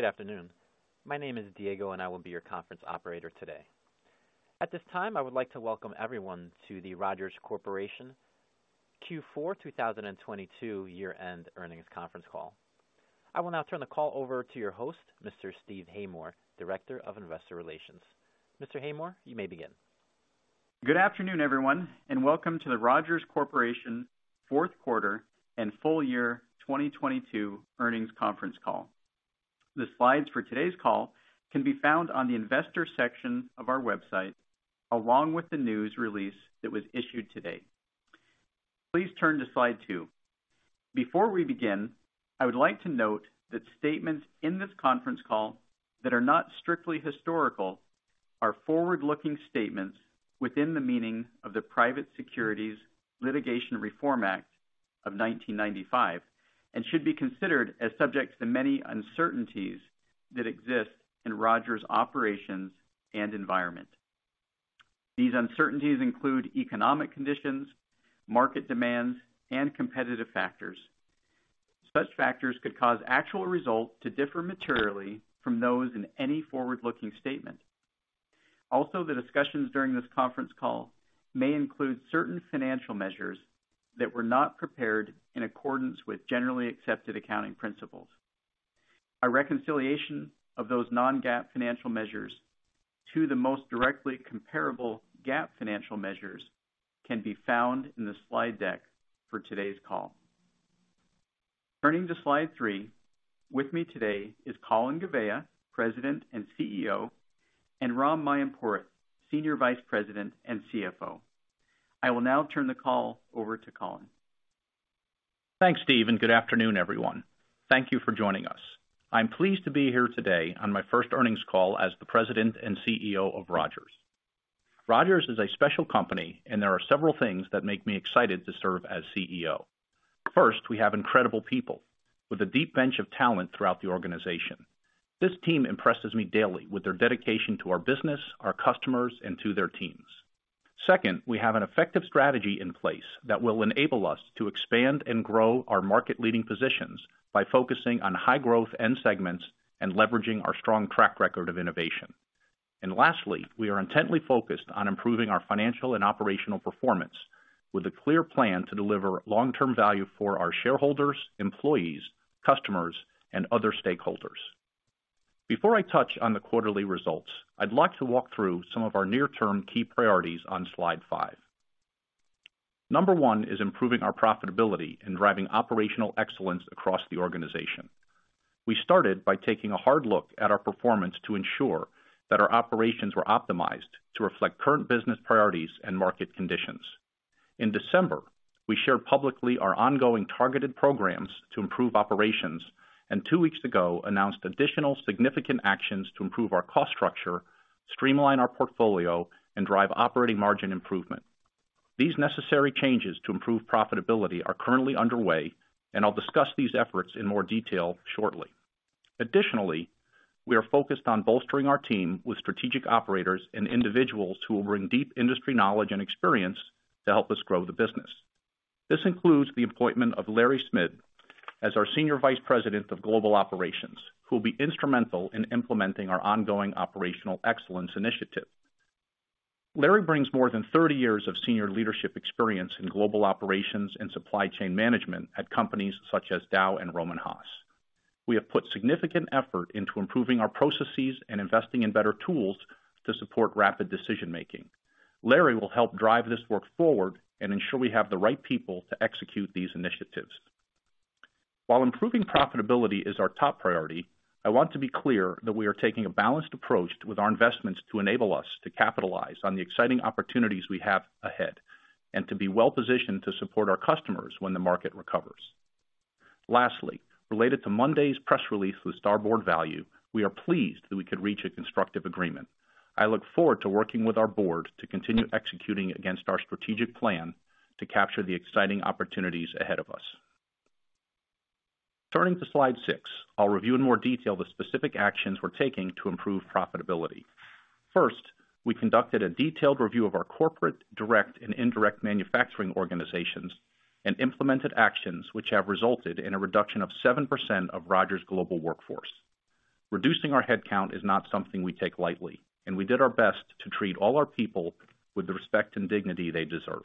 Good afternoon. My name is Diego, and I will be your conference operator today. At this time, I would like to welcome everyone to the Rogers Corporation Q4 2022 year-end earnings conference call. I will now turn the call over to your host, Mr. Steve Haymore, Director of Investor Relations. Mr. Haymore, you may begin. Good afternoon, everyone, and welcome to the Rogers Corporation fourth quarter and full year 2022 earnings conference call. The slides for today's call can be found on the investor section of our website, along with the news release that was issued today. Please turn to slide two. Before we begin, I would like to note that statements in this conference call that are not strictly historical are forward-looking statements within the meaning of the Private Securities Litigation Reform Act of 1995 and should be considered as subject to many uncertainties that exist in Rogers' operations and environment. These uncertainties include economic conditions, market demands, and competitive factors. Such factors could cause actual results to differ materially from those in any forward-looking statement. The discussions during this conference call may include certain financial measures that were not prepared in accordance with generally accepted accounting principles. A reconciliation of those non-GAAP financial measures to the most directly comparable GAAP financial measures can be found in the slide deck for today's call. Turning to slide three. With me today is Colin Gouveia, President and CEO, and Ram Mayampurath, Senior Vice President and CFO. I will now turn the call over to Colin. Thanks, Steve. Good afternoon, everyone. Thank you for joining us. I'm pleased to be here today on my first earnings call as the President and CEO of Rogers. Rogers is a special company, and there are several things that make me excited to serve as CEO. First, we have incredible people with a deep bench of talent throughout the organization. This team impresses me daily with their dedication to our business, our customers, and to their teams. Second, we have an effective strategy in place that will enable us to expand and grow our market-leading positions by focusing on high growth end segments and leveraging our strong track record of innovation. Lastly, we are intently focused on improving our financial and operational performance with a clear plan to deliver long-term value for our shareholders, employees, customers, and other stakeholders. Before I touch on the quarterly results, I'd like to walk through some of our near-term key priorities on slide five. Number one is improving our profitability and driving operational excellence across the organization. We started by taking a hard look at our performance to ensure that our operations were optimized to reflect current business priorities and market conditions. In December, we shared publicly our ongoing targeted programs to improve operations, and two weeks ago announced additional significant actions to improve our cost structure, streamline our portfolio, and drive operating margin improvement. These necessary changes to improve profitability are currently underway, and I'll discuss these efforts in more detail shortly. Additionally, we are focused on bolstering our team with strategic operators and individuals who will bring deep industry knowledge and experience to help us grow the business. This includes the appointment of Larry Schmid as our Senior Vice President of Global Operations, who will be instrumental in implementing our ongoing operational excellence initiative. Larry brings more than 30 years of senior leadership experience in global operations and supply chain management at companies such as Dow and Rohm and Haas. We have put significant effort into improving our processes and investing in better tools to support rapid decision making. Larry will help drive this work forward and ensure we have the right people to execute these initiatives. While improving profitability is our top priority, I want to be clear that we are taking a balanced approach with our investments to enable us to capitalize on the exciting opportunities we have ahead and to be well positioned to support our customers when the market recovers. Lastly, related to Monday's press release with Starboard Value, we are pleased that we could reach a constructive agreement. I look forward to working with our board to continue executing against our strategic plan to capture the exciting opportunities ahead of us. Turning to slide six, I'll review in more detail the specific actions we're taking to improve profitability. First, we conducted a detailed review of our corporate, direct and indirect manufacturing organizations and implemented actions which have resulted in a reduction of 7% of Rogers' global workforce. Reducing our headcount is not something we take lightly, and we did our best to treat all our people with the respect and dignity they deserve.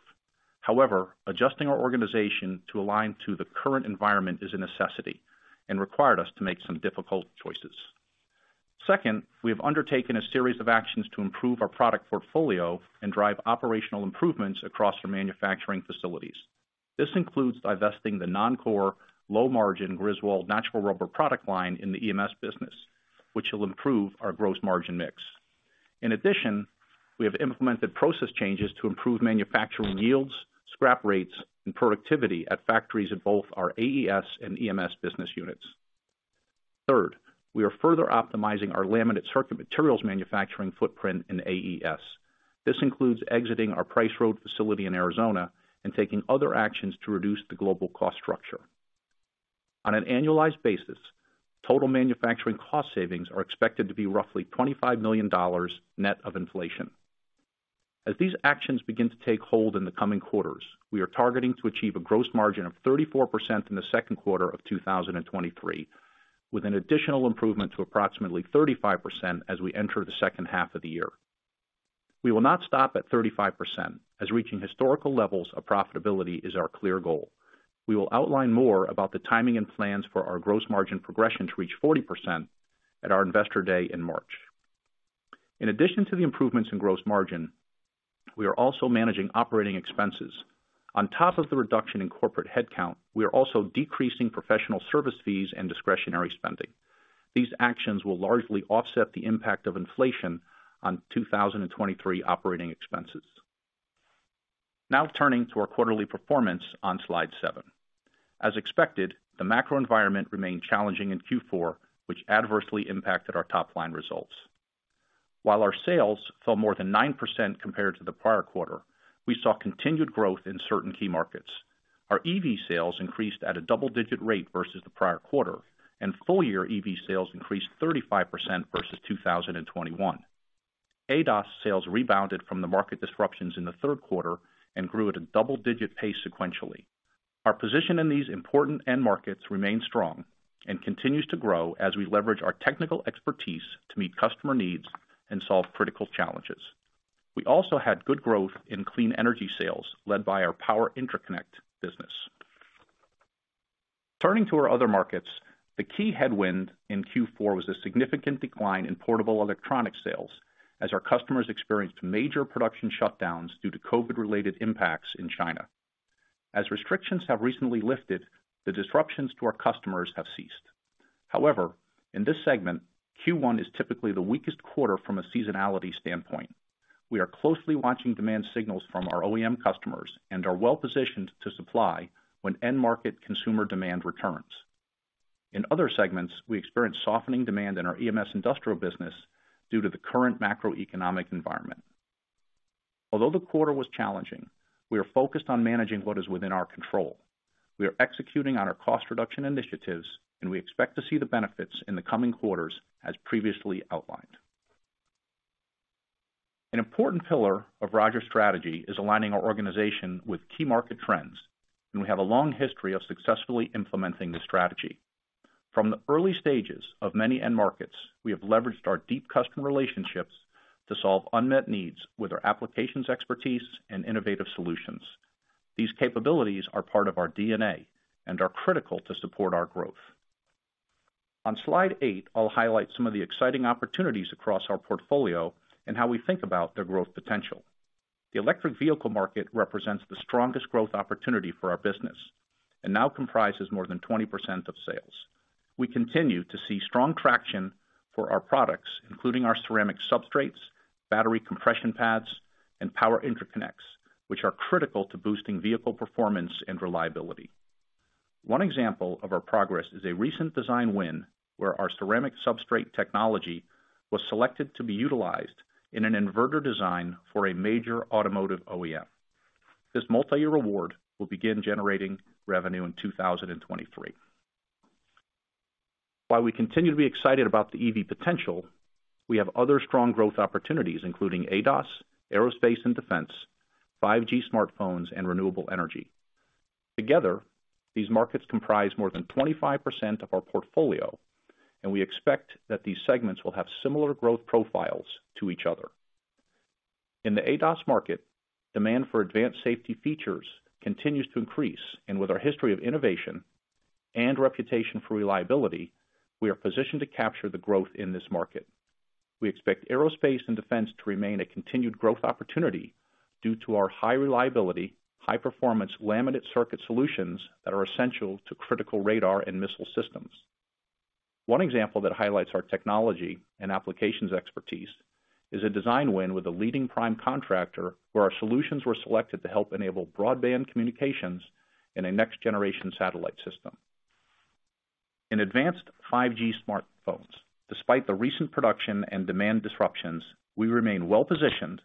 However, adjusting our organization to align to the current environment is a necessity and required us to make some difficult choices. Second, we have undertaken a series of actions to improve our product portfolio and drive operational improvements across our manufacturing facilities. This includes divesting the non-core low-margin Griswold natural rubber product line in the EMS business, which will improve our gross margin mix. In addition, we have implemented process changes to improve manufacturing yields, scrap rates, and productivity at factories in both our AES and EMS business units. Third, we are further optimizing our laminate circuit materials manufacturing footprint in AES. This includes exiting our Price Road facility in Arizona and taking other actions to reduce the global cost structure. On an annualized basis, total manufacturing cost savings are expected to be roughly $25 million net of inflation. As these actions begin to take hold in the coming quarters, we are targeting to achieve a gross margin of 34% in the second quarter of 2023, with an additional improvement to approximately 35% as we enter the second half of the year. We will not stop at 35%, as reaching historical levels of profitability is our clear goal. We will outline more about the timing and plans for our gross margin progression to reach 40% at our Investor Day in March. In addition to the improvements in gross margin, we are also managing operating expenses. On top of the reduction in corporate headcount, we are also decreasing professional service fees and discretionary spending. These actions will largely offset the impact of inflation on 2023 operating expenses. Now turning to our quarterly performance on slide seven. As expected, the macro environment remained challenging in Q4, which adversely impacted our top line results. While our sales fell more than 9% compared to the prior quarter, we saw continued growth in certain key markets. Our EV sales increased at a double-digit rate versus the prior quarter, and full-year EV sales increased 35% versus 2021. ADAS sales rebounded from the market disruptions in the third quarter and grew at a double-digit pace sequentially. Our position in these important end markets remains strong and continues to grow as we leverage our technical expertise to meet customer needs and solve critical challenges. We also had good growth in clean energy sales led by our power interconnect business. Turning to our other markets, the key headwind in Q4 was a significant decline in portable electronic sales as our customers experienced major production shutdowns due to COVID-related impacts in China. As restrictions have recently lifted, the disruptions to our customers have ceased. However, in this segment, Q1 is typically the weakest quarter from a seasonality standpoint. We are closely watching demand signals from our OEM customers and are well-positioned to supply when end market consumer demand returns. In other segments, we experienced softening demand in our EMS industrial business due to the current macroeconomic environment. Although the quarter was challenging, we are focused on managing what is within our control. We are executing on our cost reduction initiatives, and we expect to see the benefits in the coming quarters as previously outlined. An important pillar of Rogers' strategy is aligning our organization with key market trends, and we have a long history of successfully implementing this strategy. From the early stages of many end markets, we have leveraged our deep customer relationships to solve unmet needs with our applications expertise and innovative solutions. These capabilities are part of our DNA and are critical to support our growth. On slide eight, I'll highlight some of the exciting opportunities across our portfolio and how we think about their growth potential. The electric vehicle market represents the strongest growth opportunity for our business, and now comprises more than 20% of sales. We continue to see strong traction for our products, including our ceramic substrates, battery compression pads, and power interconnects, which are critical to boosting vehicle performance and reliability. One example of our progress is a recent design win where our ceramic substrate technology was selected to be utilized in an inverter design for a major automotive OEM. This multi-year award will begin generating revenue in 2023. While we continue to be excited about the EV potential, we have other strong growth opportunities, including ADAS, aerospace and defense, 5G smartphones, and renewable energy. Together, these markets comprise more than 25% of our portfolio, and we expect that these segments will have similar growth profiles to each other. In the ADAS market, demand for advanced safety features continues to increase, and with our history of innovation and reputation for reliability, we are positioned to capture the growth in this market. We expect aerospace and defense to remain a continued growth opportunity due to our high reliability, high-performance laminate circuit solutions that are essential to critical radar and missile systems. One example that highlights our technology and applications expertise is a design win with a leading prime contractor, where our solutions were selected to help enable broadband communications in a next-generation satellite system. In advanced 5G smartphones, despite the recent production and demand disruptions, we remain well-positioned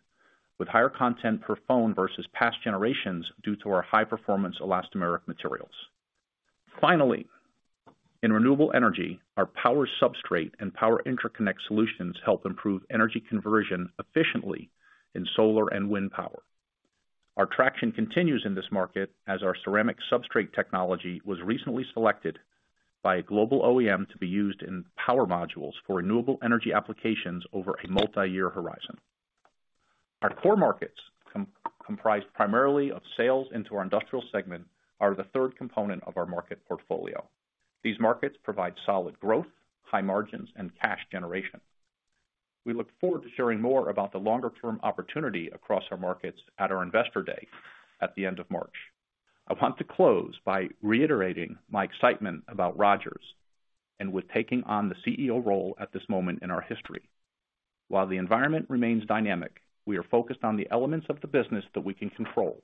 with higher content per phone versus past generations due to our high-performance elastomeric materials. Finally, in renewable energy, our power substrate and power interconnect solutions help improve energy conversion efficiently in solar and wind power. Our traction continues in this market as our ceramic substrate technology was recently selected by a global OEM to be used in power modules for renewable energy applications over a multi-year horizon. Our core markets, comprised primarily of sales into our industrial segment, are the third component of our market portfolio. These markets provide solid growth, high margins, and cash generation. We look forward to sharing more about the longer-term opportunity across our markets at our Investor Day at the end of March. I want to close by reiterating my excitement about Rogers and with taking on the CEO role at this moment in our history. While the environment remains dynamic, we are focused on the elements of the business that we can control,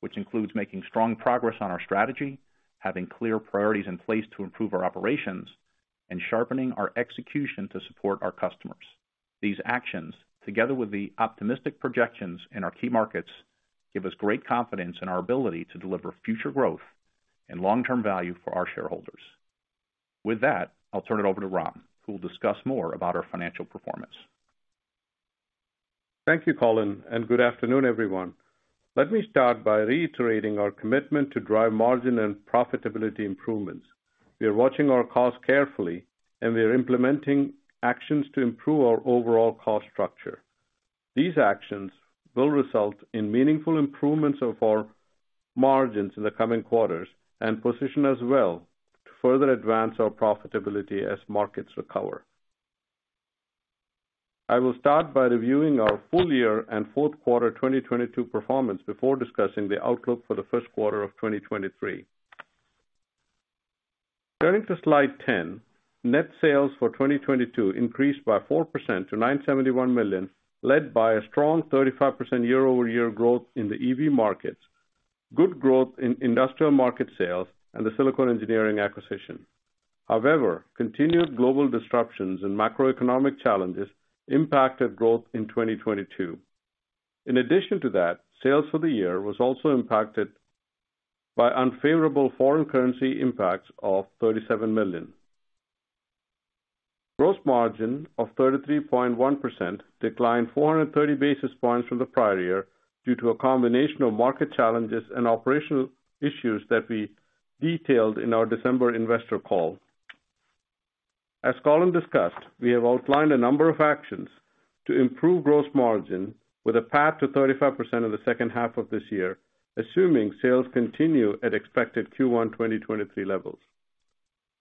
which includes making strong progress on our strategy, having clear priorities in place to improve our operations, and sharpening our execution to support our customers. These actions, together with the optimistic projections in our key markets, give us great confidence in our ability to deliver future growth and long-term value for our shareholders. With that, I'll turn it over to Ram, who will discuss more about our financial performance. Thank you, Colin. Good afternoon, everyone. Let me start by reiterating our commitment to drive margin and profitability improvements. We are watching our costs carefully, and we are implementing actions to improve our overall cost structure. These actions will result in meaningful improvements of our margins in the coming quarters and position us well to further advance our profitability as markets recover. I will start by reviewing our full year and fourth quarter 2022 performance before discussing the outlook for the first quarter of 2023. Turning to slide 10, net sales for 2022 increased by 4% to $971 million, led by a strong 35% year-over-year growth in the EV markets, good growth in industrial market sales, and the Silicone Engineering acquisition. Continued global disruptions and macroeconomic challenges impacted growth in 2022. In addition to that, sales for the year was also impacted by unfavorable foreign currency impacts of $37 million. Gross margin of 33.1% declined 430 basis points from the prior year due to a combination of market challenges and operational issues that we detailed in our December investor call. As Colin discussed, we have outlined a number of actions to improve gross margin with a path to 35% in the second half of this year, assuming sales continue at expected Q1 2023 levels.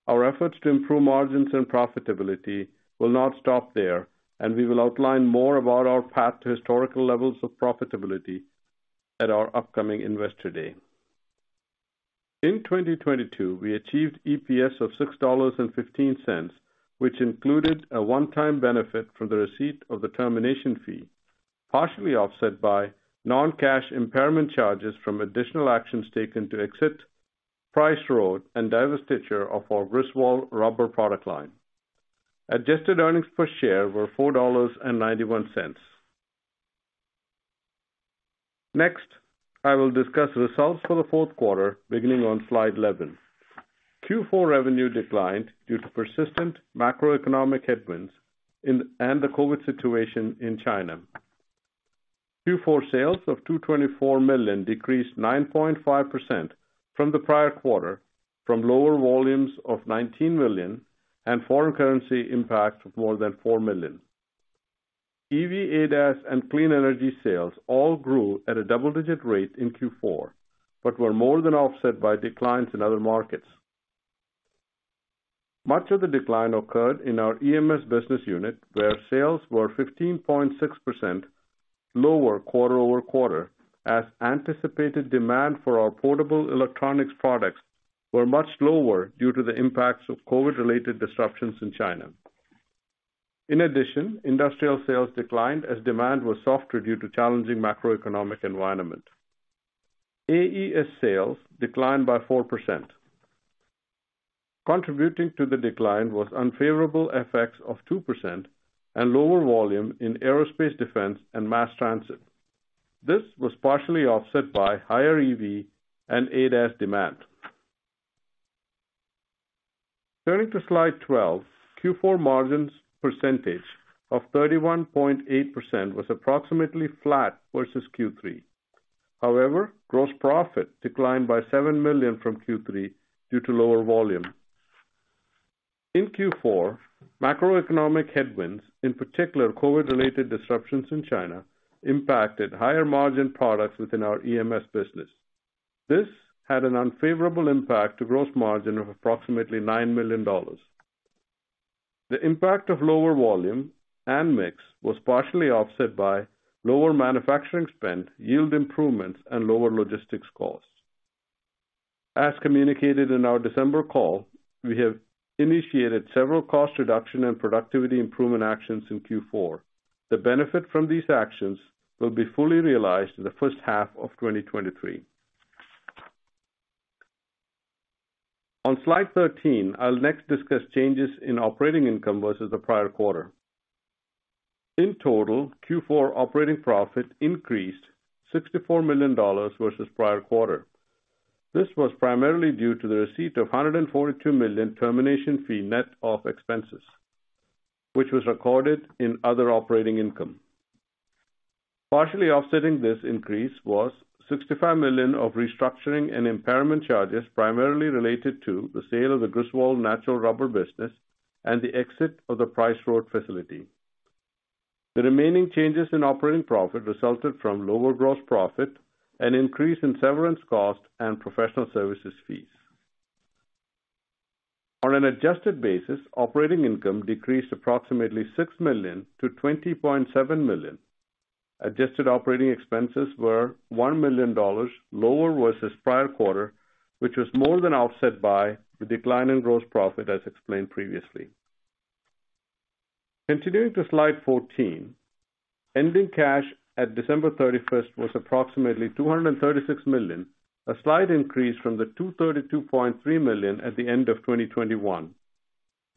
Our efforts to improve margins and profitability will not stop there, and we will outline more about our path to historical levels of profitability at our upcoming Investor Day. In 2022, we achieved EPS of $6.15, which included a one-time benefit from the receipt of the termination fee, partially offset by non-cash impairment charges from additional actions taken to exit Price Road and divestiture of our Griswold rubber product line. Adjusted earnings per share were $4.91. I will discuss results for the fourth quarter beginning on slide 11. Q4 revenue declined due to persistent macroeconomic headwinds and the COVID situation in China. Q4 sales of $224 million decreased 9.5% from the prior quarter from lower volumes of $19 million and foreign currency impact of more than $4 million. EV, ADAS, and clean energy sales all grew at a double-digit rate in Q4, were more than offset by declines in other markets. Much of the decline occurred in our EMS business unit, where sales were 15.6% lower quarter-over-quarter as anticipated demand for our portable electronics products were much lower due to the impacts of COVID-related disruptions in China. In addition, industrial sales declined as demand was softer due to challenging macroeconomic environment. AES sales declined by 4%. Contributing to the decline was unfavorable FX of 2% and lower volume in aerospace defense and mass transit. This was partially offset by higher EV and ADAS demand. Turning to slide 12, Q4 margins percentage of 31.8% was approximately flat versus Q3. However, gross profit declined by $7 million from Q3 due to lower volume. In Q4, macroeconomic headwinds, in particular COVID-related disruptions in China, impacted higher margin products within our EMS business. This had an unfavorable impact to gross margin of approximately $9 million. The impact of lower volume and mix was partially offset by lower manufacturing spend, yield improvements, and lower logistics costs. As communicated in our December call, we have initiated several cost reduction and productivity improvement actions in Q4. The benefit from these actions will be fully realized in the first half of 2023. On slide 13, I'll next discuss changes in operating income versus the prior quarter. In total, Q4 operating profit increased $64 million versus prior quarter. This was primarily due to the receipt of a $142 million termination fee net of expenses, which was recorded in other operating income. Partially offsetting this increase was $65 million of restructuring and impairment charges primarily related to the sale of the Griswold natural rubber business and the exit of the Price Road facility. The remaining changes in operating profit resulted from lower gross profit, an increase in severance costs, and professional services fees. On an adjusted basis, operating income decreased approximately $6 million to $20.7 million. Adjusted operating expenses were $1 million lower versus prior quarter, which was more than offset by the decline in gross profit as explained previously. Continuing to slide 14, ending cash at December 31st was approximately $236 million, a slight increase from the $232.3 million at the end of 2021.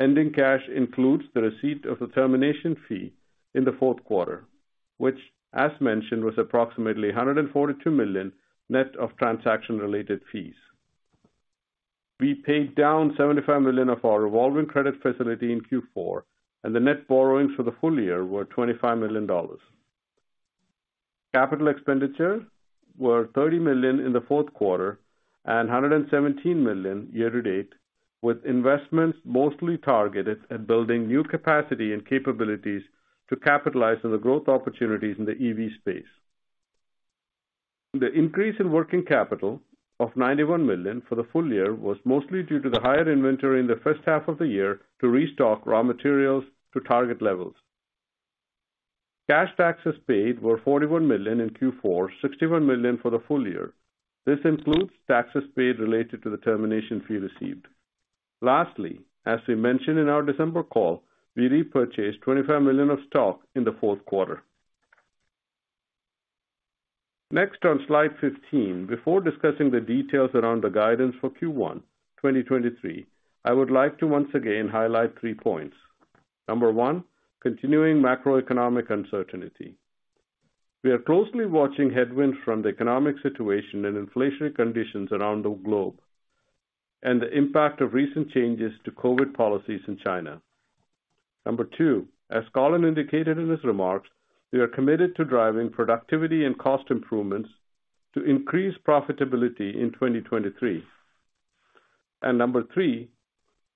Ending cash includes the receipt of the termination fee in fourth quarter, which, as mentioned, was approximately $142 million net of transaction-related fees. We paid down $75 million of our revolving credit facility in Q4, and the net borrowings for the full year were $25 million. Capital expenditures were $30 million in the fourth quarter and $117 million year-to-date, with investments mostly targeted at building new capacity and capabilities to capitalize on the growth opportunities in the EV space. The increase in working capital of $91 million for the full year was mostly due to the higher inventory in the first half of the year to restock raw materials to target levels. Cash taxes paid were $41 million in Q4, $61 million for the full year. This includes taxes paid related to the termination fee received. Lastly, as we mentioned in our December call, we repurchased $25 million of stock in the fourth quarter. Next on slide 15, before discussing the details around the guidance for Q1 2023, I would like to once again highlight three points. Number one, continuing macroeconomic uncertainty. We are closely watching headwinds from the economic situation and inflationary conditions around the globe and the impact of recent changes to COVID policies in China. Number two, as Colin indicated in his remarks, we are committed to driving productivity and cost improvements to increase profitability in 2023. Number three,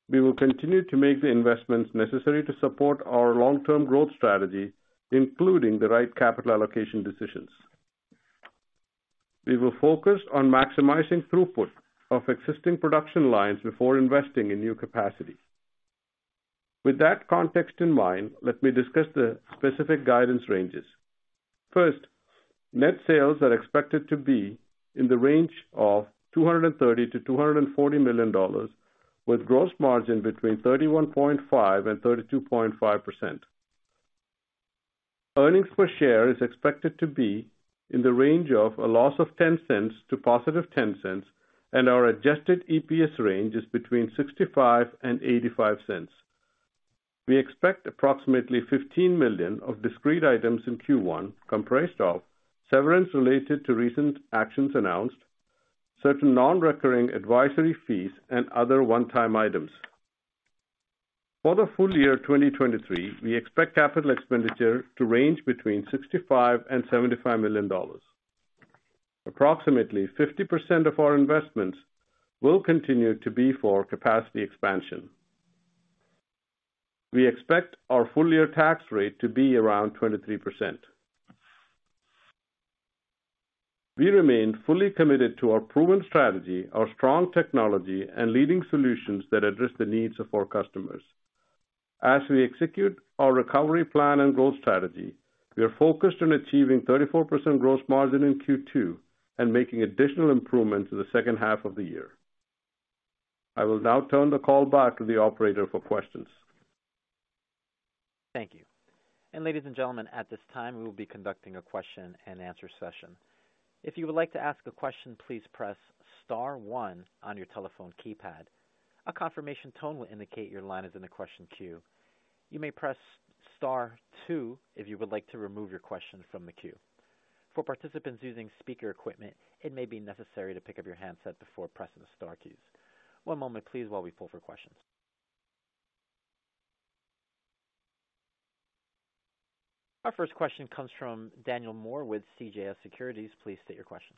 we will continue to make the investments necessary to support our long-term growth strategy, including the right capital allocation decisions. We will focus on maximizing throughput of existing production lines before investing in new capacity. With that context in mind, let me discuss the specific guidance ranges. First, net sales are expected to be in the range of $230 million-$240 million, with gross margin between 31.5% and 32.5%. Earnings per share is expected to be in the range of a loss of $0.10 to +$0.10, and our adjusted EPS range is between $0.65 and $0.85. We expect approximately $15 million of discrete items in Q1, comprised of severance related to recent actions announced, certain non-recurring advisory fees, and other one-time items. For the full year 2023, we expect capital expenditure to range between $65 million and $75 million. Approximately 50% of our investments will continue to be for capacity expansion. We expect our full year tax rate to be around 23%. We remain fully committed to our proven strategy, our strong technology, and leading solutions that address the needs of our customers. As we execute our recovery plan and growth strategy, we are focused on achieving 34% gross margin in Q2 and making additional improvements in the second half of the year. I will now turn the call back to the operator for questions. Thank you. Ladies and gentlemen, at this time, we will be conducting a question-and-answer session. If you would like to ask a question, please press star one on your telephone keypad. A confirmation tone will indicate your line is in the question queue. You may press star two if you would like to remove your question from the queue. For participants using speaker equipment, it may be necessary to pick up your handset before pressing the star keys. One moment please while we pull for questions. Our first question comes from Daniel Moore with CJS Securities. Please state your question.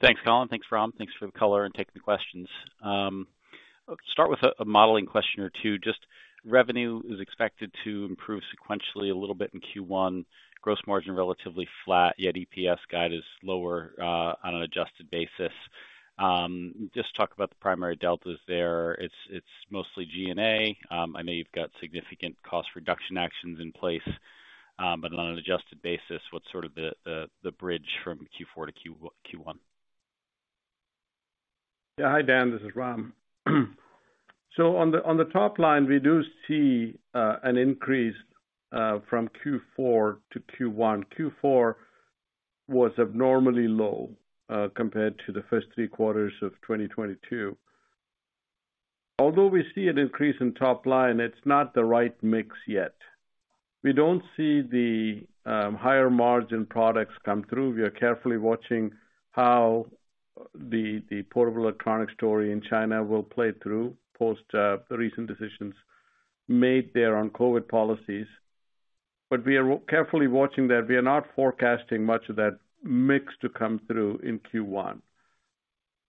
Thanks, Colin. Thanks, Ram. Thanks for the color and taking the questions. Start with a modeling question or two. Just revenue is expected to improve sequentially a little bit in Q1. Gross margin relatively flat, yet EPS guide is lower on an adjusted basis. Just talk about the primary deltas there. It's mostly G&A. I know you've got significant cost reduction actions in place, but on an adjusted basis, what's sort of the bridge from Q4 to Q1? Hi, Daniel, this is Ram. On the top line, we do see an increase from Q4 to Q1. Q4 was abnormally low compared to the first three quarters of 2022. Although we see an increase in top line, it's not the right mix yet. We don't see the higher margin products come through. We are carefully watching how the portable electronics story in China will play through post the recent decisions made there on COVID policies. We are carefully watching that. We are not forecasting much of that mix to come through in Q1.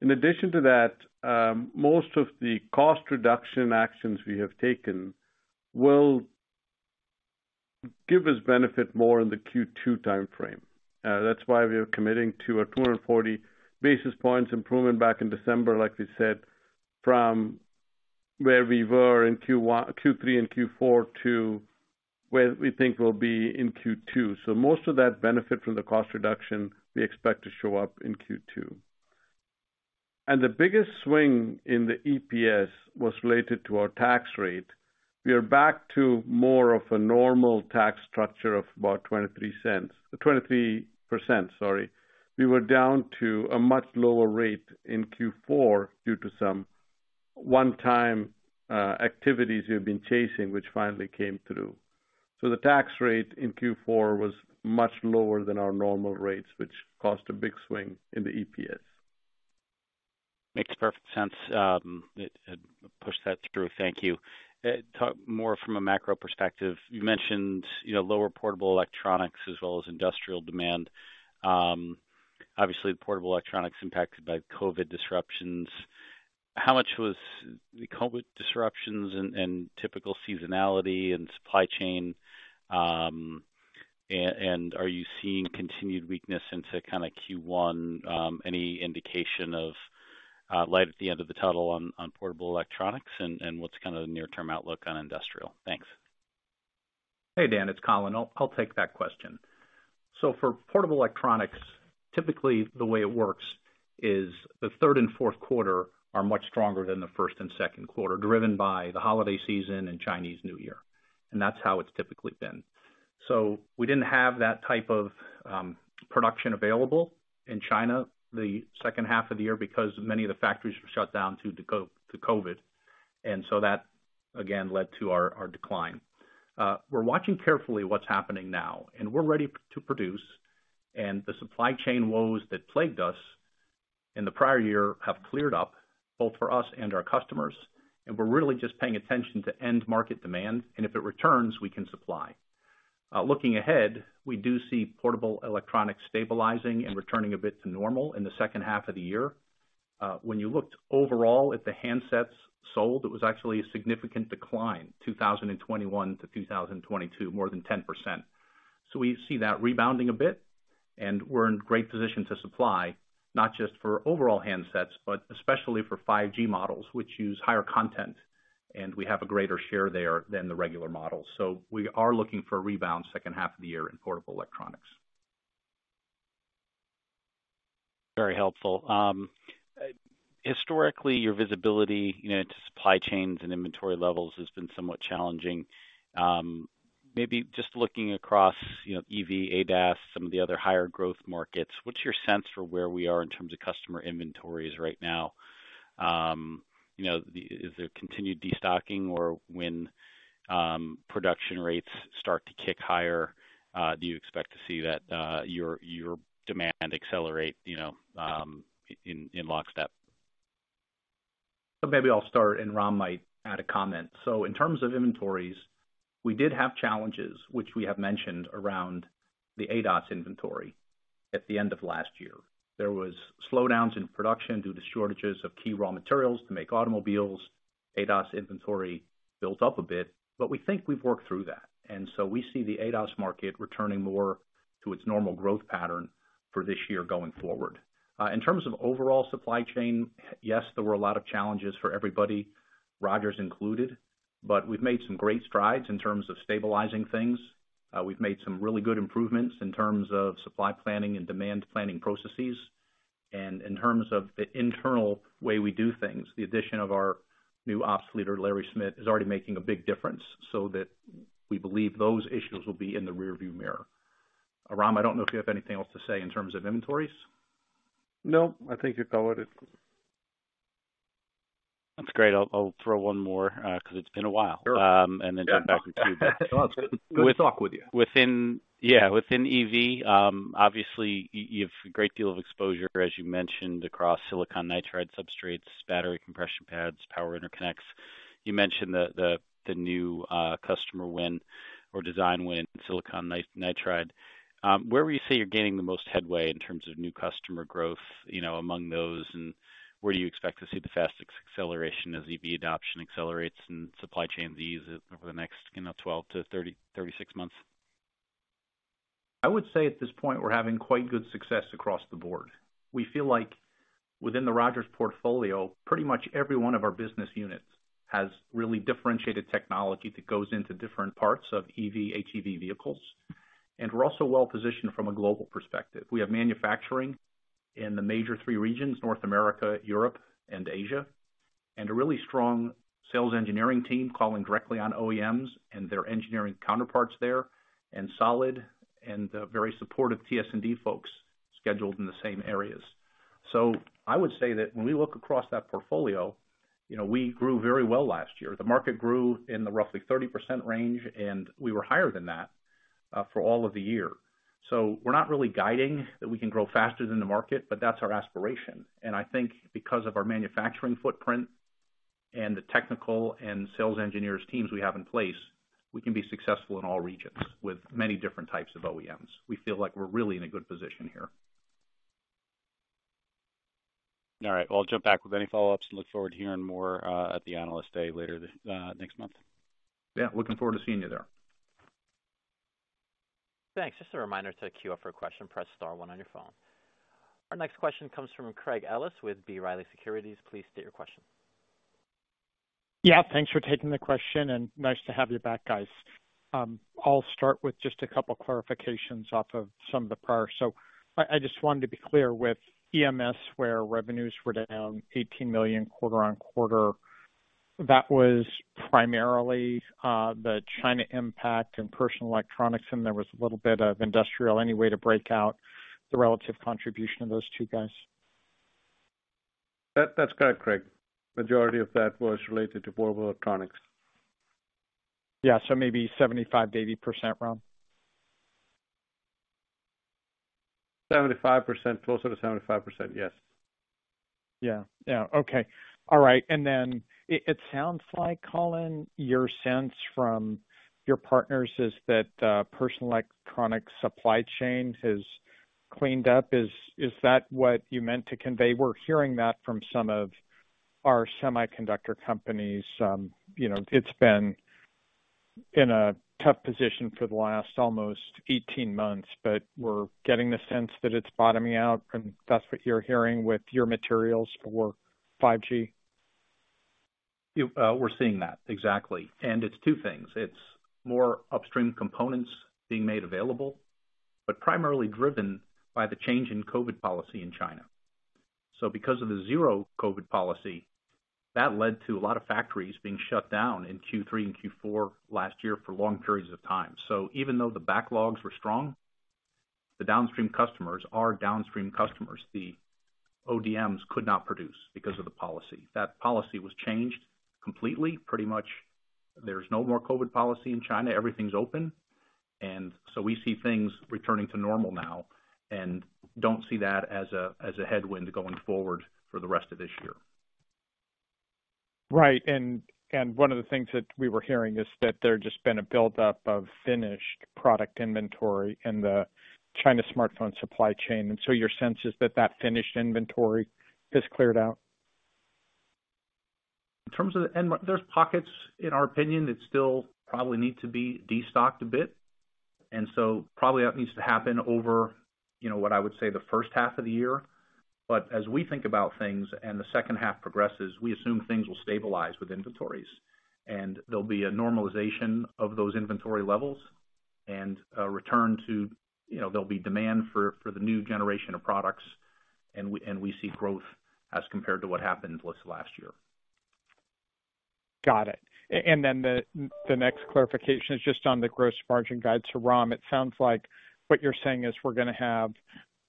In addition to that, most of the cost reduction actions we have taken will give us benefit more in the Q2 timeframe. That's why we are committing to a 240 basis points improvement back in December, like we said, from where we were in Q3 and Q4 to where we think we'll be in Q2. Most of that benefit from the cost reduction we expect to show up in Q2. The biggest swing in the EPS was related to our tax rate. We are back to more of a normal tax structure of about 23%, sorry. We were down to a much lower rate in Q4 due to some one-time activities we've been chasing, which finally came through. The tax rate in Q4 was much lower than our normal rates, which caused a big swing in the EPS. Makes perfect sense. it pushed that through. Thank you. Talk more from a macro perspective. You mentioned, you know, lower portable electronics as well as industrial demand. Obviously, the portable electronics impacted by COVID disruptions. How much was the COVID disruptions and typical seasonality and supply chain, and are you seeing continued weakness into kind of Q1, any indication of light at the end of the tunnel on portable electronics, and what's kind of the near-term outlook on industrial? Thanks. Hey, Dan, it's Colin. I'll take that question. For portable electronics, typically the way it works is the third and fourth quarter are much stronger than the first and second quarter, driven by the holiday season and Chinese New Year, and that's how it's typically been. We didn't have that type of production available in China the second half of the year because many of the factories were shut down due to COVID. That, again, led to our decline. We're watching carefully what's happening now, and we're ready to produce. The supply chain woes that plagued us in the prior year have cleared up, both for us and our customers. We're really just paying attention to end market demand, and if it returns, we can supply. Looking ahead, we do see portable electronics stabilizing and returning a bit to normal in the second half of the year. When you looked overall at the handsets sold, it was actually a significant decline, 2021 to 2022, more than 10%. We see that rebounding a bit, and we're in great position to supply, not just for overall handsets, but especially for 5G models, which use higher content, and we have a greater share there than the regular models. We are looking for a rebound second half of the year in portable electronics. Very helpful. Historically, your visibility, you know, to supply chains and inventory levels has been somewhat challenging. Maybe just looking across, you know, EV, ADAS, some of the other higher growth markets, what's your sense for where we are in terms of customer inventories right now? You know, is there continued destocking or when production rates start to kick higher, do you expect to see that, your demand accelerate, you know, in lockstep? Maybe I'll start, and Ram might add a comment. In terms of inventories, we did have challenges which we have mentioned around the ADAS inventory at the end of last year. There was slowdowns in production due to shortages of key raw materials to make automobiles. ADAS inventory built up a bit, but we think we've worked through that. We see the ADAS market returning more to its normal growth pattern for this year going forward. In terms of overall supply chain, yes, there were a lot of challenges for everybody, Rogers included, but we've made some great strides in terms of stabilizing things. We've made some really good improvements in terms of supply planning and demand planning processes. In terms of the internal way we do things, the addition of our new ops leader, Larry Schmid, is already making a big difference, we believe those issues will be in the rearview mirror. Ram, I don't know if you have anything else to say in terms of inventories. No, I think you covered it. That's great. I'll throw one more, 'cause it's been a while. Sure. then jump back into- No, it's good. Good to talk with you. Yeah, within EV, obviously you've a great deal of exposure, as you mentioned, across silicon nitride substrates, battery compression pads, power interconnects. You mentioned the new customer win or design win in silicon nitride. Where would you say you're gaining the most headway in terms of new customer growth, you know, among those, and where do you expect to see the fastest acceleration as EV adoption accelerates and supply chain eases over the next, you know, 12 to 30, 36 months? I would say at this point we're having quite good success across the board. We feel like within the Rogers portfolio, pretty much every one of our business units has really differentiated technology that goes into different parts of EV/HEV vehicles, and we're also well positioned from a global perspective. We have manufacturing in the major three regions, North America, Europe, and Asia, and a really strong sales engineering team calling directly on OEMs and their engineering counterparts there, and solid and very supportive TS&D folks scheduled in the same areas. I would say that when we look across that portfolio, you know, we grew very well last year. The market grew in the roughly 30% range, and we were higher than that for all of the year. We're not really guiding that we can grow faster than the market, but that's our aspiration. I think because of our manufacturing footprint and the technical and sales engineers teams we have in place, we can be successful in all regions with many different types of OEMs. We feel like we're really in a good position here. All right. I'll jump back with any follow-ups and look forward to hearing more, at the Analyst Day later this, next month. Yeah. Looking forward to seeing you there. Thanks. Just a reminder to queue up for a question, press star one on your phone. Our next question comes from Craig Ellis with B. Riley Securities. Please state your question. Thanks for taking the question, and nice to have you back, guys. I'll start with just a couple clarifications off of some of the prior. I just wanted to be clear with EMS, where revenues were down $18 million quarter-on-quarter. That was primarily the China impact and personal electronics, and there was a little bit of industrial. Any way to break out the relative contribution of those two guys? That's correct, Craig. Majority of that was related to portable electronics. Yeah. maybe 75%-80%, Ram? 75%. Closer to 75%, yes. Yeah. Yeah. Okay. All right. It sounds like, Colin, your sense from your partners is that personal electronic supply chain has cleaned up. Is that what you meant to convey? We're hearing that from some of our semiconductor companies. You know, it's been in a tough position for the last almost 18 months, but we're getting the sense that it's bottoming out, and that's what you're hearing with your materials for 5G. Yeah, we're seeing that, exactly. It's two things. It's more upstream components being made available, but primarily driven by the change in COVID policy in China. Because of the zero-COVID policy, that led to a lot of factories being shut down in Q3 and Q4 last year for long periods of time. Even though the backlogs were strong, the downstream customers, our downstream customers, the ODMs could not produce because of the policy. That policy was changed completely. Pretty much there's no more COVID policy in China. Everything's open. We see things returning to normal now and don't see that as a headwind going forward for the rest of this year. Right. One of the things that we were hearing is that there just been a buildup of finished product inventory in the China smartphone supply chain. Your sense is that that finished inventory is cleared out? In terms of the pockets, in our opinion, that still probably need to be destocked a bit. Probably that needs to happen over, you know, what I would say the first half of the year. As we think about things and the second half progresses, we assume things will stabilize with inventories, and there'll be a normalization of those inventory levels and a return to, you know, there'll be demand for the new generation of products. We see growth as compared to what happened with last year. Got it. And then the next clarification is just on the gross margin guide to Ram. It sounds like what you're saying is we're gonna have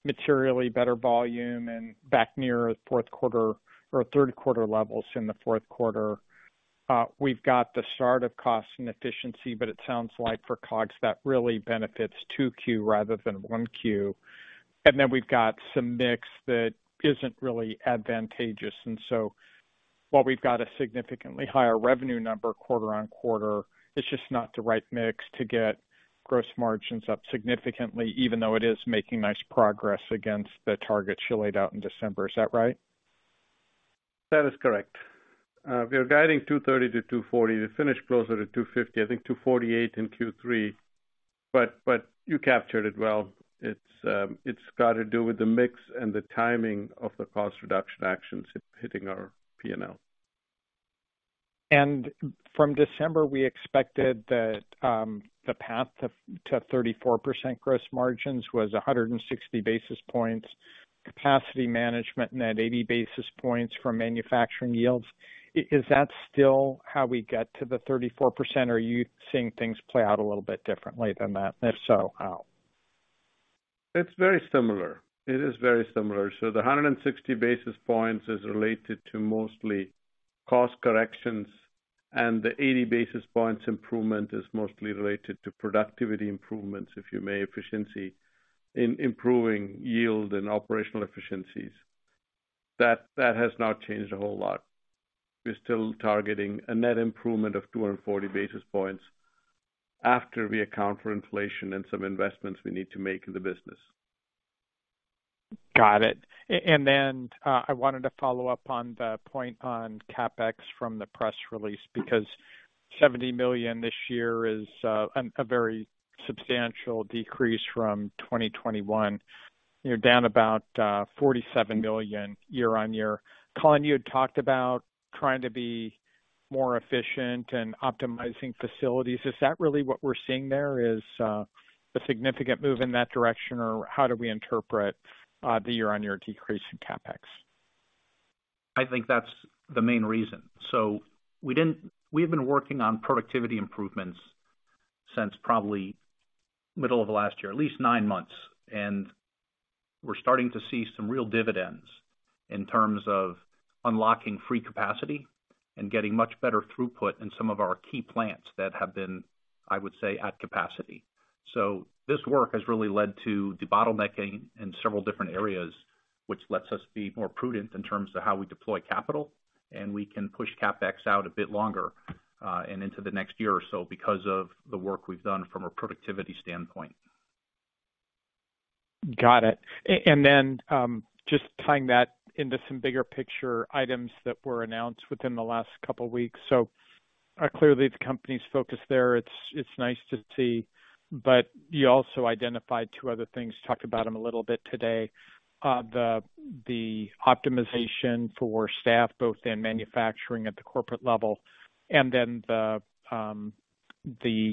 materially better volume and back near fourth quarter or third quarter levels in the fourth quarter. We've got the start of cost and efficiency, but it sounds like for COGS that really benefits 2Q rather than 1Q. Then we've got some mix that isn't really advantageous. While we've got a significantly higher revenue number quarter-on-quarter, it's just not the right mix to get gross margins up significantly, even though it is making nice progress against the targets you laid out in December. Is that right? That is correct. We are guiding $230 million-$240 million. We finished closer to $250 million, I think $248 million in Q3. You captured it well. It's got to do with the mix and the timing of the cost reduction actions hitting our P&L. From December, we expected that the path to 34% gross margins was 160 basis points capacity management, net 80 basis points for manufacturing yields. Is that still how we get to the 34%, or are you seeing things play out a little bit differently than that? If so, how? It's very similar. It is very similar. The 160 basis points is related to mostly cost corrections, and the 80 basis points improvement is mostly related to productivity improvements, if you may, efficiency in improving yield and operational efficiencies. That has not changed a whole lot. We're still targeting a net improvement of 240 basis points after we account for inflation and some investments we need to make in the business. Got it. I wanted to follow up on the point on CapEx from the press release, because $70 million this year is a very substantial decrease from 2021. You're down about $47 million year-over-year. Colin, you had talked about trying to be more efficient and optimizing facilities. Is that really what we're seeing there, is a significant move in that direction, or how do we interpret the year-over-year decrease in CapEx? I think that's the main reason. We have been working on productivity improvements since probably middle of last year, at least nine months, and we're starting to see some real dividends in terms of unlocking free capacity and getting much better throughput in some of our key plants that have been, I would say, at capacity. This work has really led to debottlenecking in several different areas, which lets us be more prudent in terms of how we deploy capital, and we can push CapEx out a bit longer, and into the next year or so because of the work we've done from a productivity standpoint. Got it. Just tying that into some bigger picture items that were announced within the last couple weeks. Clearly the company's focus there, it's nice to see, but you also identified two other things. Talked about them a little bit today. The optimization for staff, both in manufacturing at the corporate level, and then the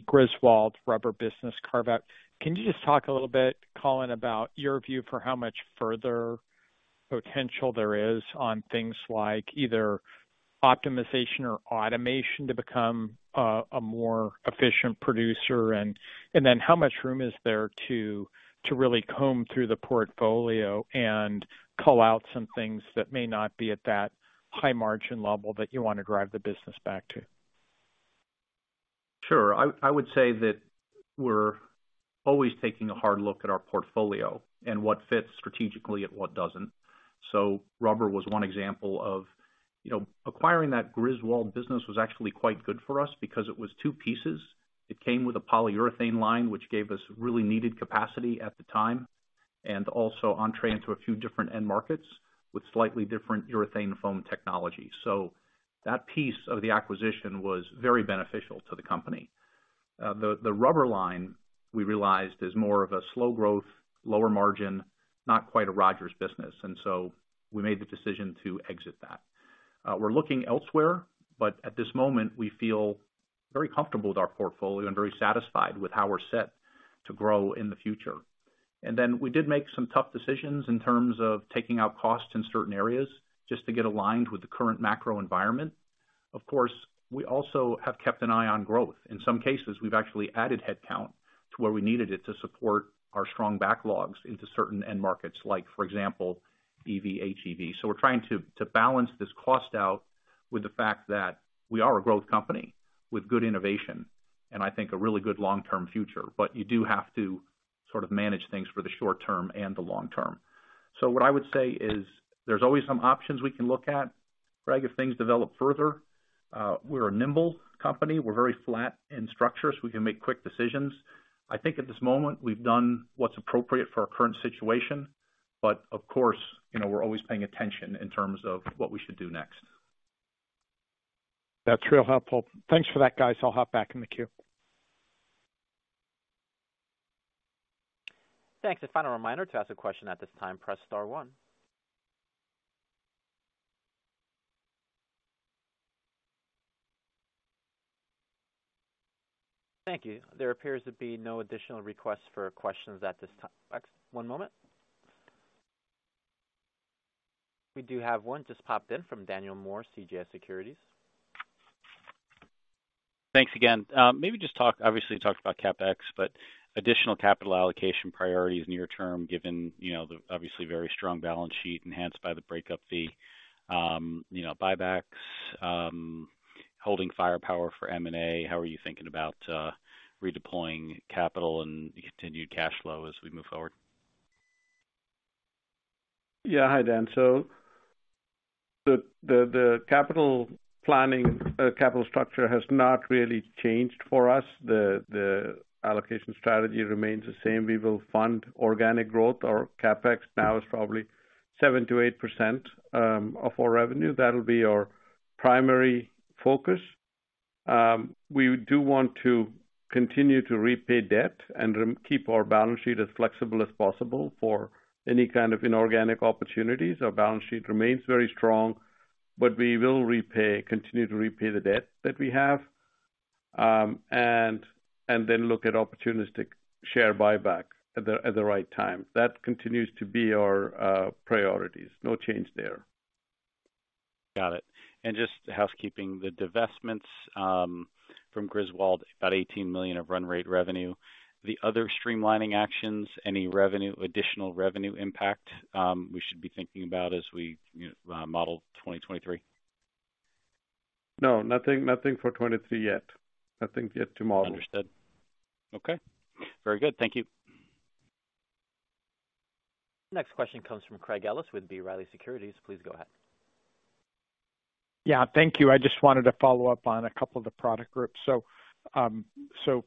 Griswold rubber business carve-out. Can you just talk a little bit, Colin, about your view for how much further potential there is on things like either optimization or automation to become a more efficient producer and then how much room is there to really comb through the portfolio and cull out some things that may not be at that high margin level that you wanna drive the business back to? Sure. I would say that we're always taking a hard look at our portfolio and what fits strategically and what doesn't. Rubber was one example of. You know, acquiring that Griswold business was actually quite good for us because it was two pieces. It came with a polyurethane line, which gave us really needed capacity at the time, and also entrée into a few different end markets with slightly different urethane foam technology. That piece of the acquisition was very beneficial to the company. The rubber line we realized is more of a slow growth, lower margin, not quite a Rogers business. We made the decision to exit that. We're looking elsewhere, but at this moment, we feel very comfortable with our portfolio and very satisfied with how we're set to grow in the future. We did make some tough decisions in terms of taking out costs in certain areas just to get aligned with the current macro environment. We also have kept an eye on growth. In some cases, we've actually added headcount to where we needed it to support our strong backlogs into certain end markets, like for example, EV/HEV. We're trying to balance this cost out with the fact that we are a growth company with good innovation, and I think a really good long-term future. You do have to sort of manage things for the short-term and the long-term. What I would say is there's always some options we can look at, Greg, if things develop further. We're a nimble company. We're very flat in structure, so we can make quick decisions. I think at this moment, we've done what's appropriate for our current situation, but of course, you know, we're always paying attention in terms of what we should do next. That's real helpful. Thanks for that, guys. I'll hop back in the queue. Thanks. A final reminder to ask a question at this time, press star one. Thank you. There appears to be no additional requests for questions at this time. One moment. We do have one just popped in from Daniel Moore, CJS Securities. Thanks again. Obviously you talked about CapEx, but additional capital allocation priorities near term, given, you know, the obviously very strong balance sheet enhanced by the breakup fee, you know, buybacks, holding firepower for M&A. How are you thinking about redeploying capital and continued cash flow as we move forward? Yeah. Hi, Dan. The capital planning, capital structure has not really changed for us. The allocation strategy remains the same. We will fund organic growth. Our CapEx now is probably 7%-8% of our revenue. That'll be our primary focus. We do want to continue to repay debt and keep our balance sheet as flexible as possible for any kind of inorganic opportunities. Our balance sheet remains very strong, but we will continue to repay the debt that we have, and then look at opportunistic share buyback at the right time. That continues to be our priorities. No change there. Got it. Just housekeeping, the divestments, from Griswold, about $18 million of run-rate revenue. The other streamlining actions, any revenue, additional revenue impact, we should be thinking about as we, you know, model 2023? No, nothing for 2023 yet. Nothing yet to model. Understood. Okay. Very good. Thank you. Next question comes from Craig Ellis with B. Riley Securities. Please go ahead. Yeah, thank you. I just wanted to follow up on a couple of the product groups.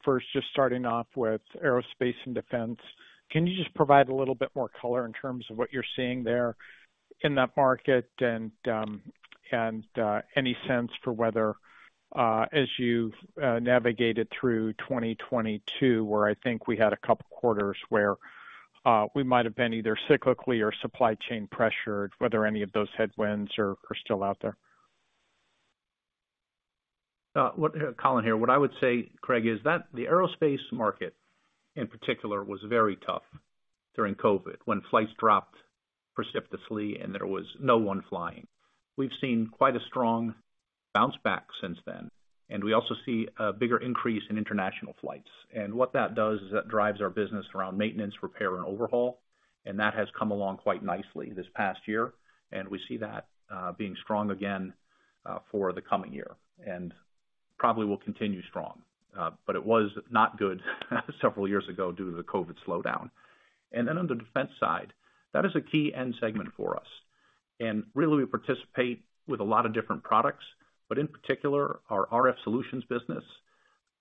First just starting off with aerospace and defense, can you just provide a little bit more color in terms of what you're seeing there in that market and any sense for whether as you've navigated through 2022, where I think we had a couple quarters where we might have been either cyclically or supply chain pressured, whether any of those headwinds are still out there? Colin here. What I would say, Craig, is that the aerospace market in particular was very tough during COVID when flights dropped precipitously and there was no one flying. We've seen quite a strong bounce back since then, and we also see a bigger increase in international flights. What that does is that drives our business around maintenance, repair, and overhaul, and that has come along quite nicely this past year, and we see that being strong again for the coming year and probably will continue strong. It was not good several years ago due to the COVID slowdown. Then on the defense side, that is a key end segment for us. really we participate with a lot of different products, but in particular, our RF solutions business,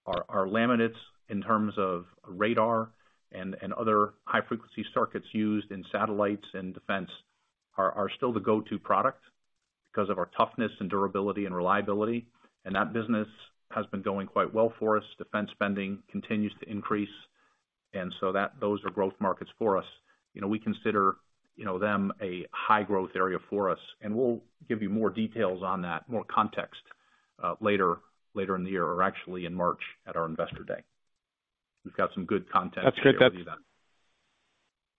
our laminates in terms of radar and other high frequency circuits used in satellites and defense are still the go-to product because of our toughness and durability and reliability. That business has been going quite well for us. Defense spending continues to increase, so those are growth markets for us. You know, we consider, you know, them a high growth area for us, and we'll give you more details on that, more context, later in the year, or actually in March at our Investor Day. We've got some good content... That's great. To share with you then.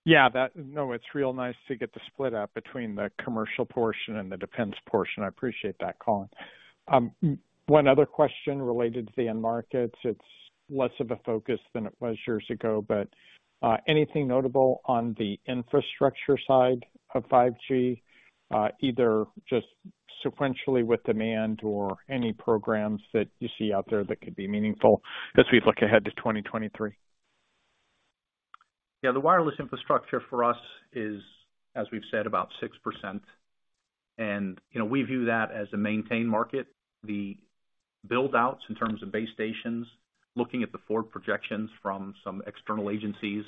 Yeah, no, it's real nice to get the split out between the commercial portion and the defense portion. I appreciate that, Colin. One other question related to the end markets. It's less of a focus than it was years ago, but anything notable on the infrastructure side of 5G, either just sequentially with demand or any programs that you see out there that could be meaningful as we look ahead to 2023? Yeah. The wireless infrastructure for us is, as we've said, about 6%. You know, we view that as a maintained market. The build outs in terms of base stations, looking at the forward projections from some external agencies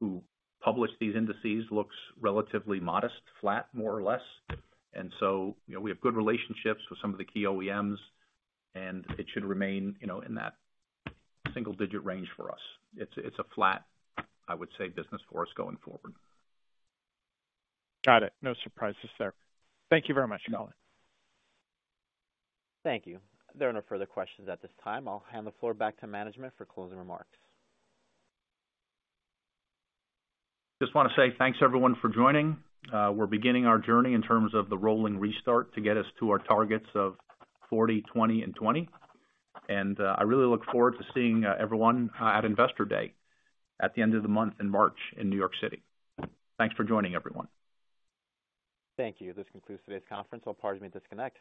who publish these indices looks relatively modest, flat, more or less. You know, we have good relationships with some of the key OEMs, and it should remain, you know, in that single-digit range for us. It's a flat, I would say, business for us going forward. Got it. No surprises there. Thank you very much, Colin. Thank you. There are no further questions at this time. I'll hand the floor back to management for closing remarks. Just want to say thanks, everyone, for joining. We're beginning our journey in terms of the rolling restart to get us to our targets of 40, 20, and 20. I really look forward to seeing everyone at Investor Day at the end of the month in March in New York City. Thanks for joining, everyone. Thank you. This concludes today's conference. All parties may disconnect.